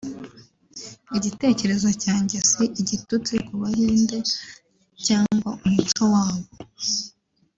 « Igitekerezo cyanjye si igitutsi ku bahinde cyangwa umuco wabo